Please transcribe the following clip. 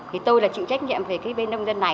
thì tôi là chịu trách nhiệm về cái bên nông dân này